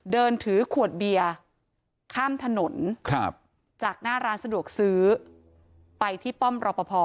เดินถือขวดเบียร์ข้ามถนนจากหน้าร้านสะดวกซื้อไปที่ป้อมรอปภ